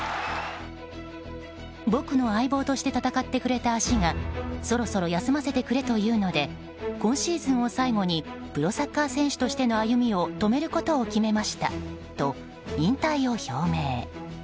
僕の相棒として戦ってくれた足がそろそろ休ませてくれというので今シーズンを最後にプロサッカー選手としての歩みを止めることを決めましたと引退を表明。